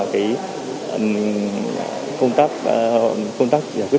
công tác giải quyết